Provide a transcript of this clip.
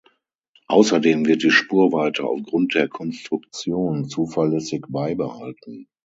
Außerdem wird die Spurweite aufgrund der Konstruktion zuverlässig beibehalten.